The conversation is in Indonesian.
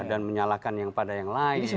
dan menyalahkan yang pada yang lain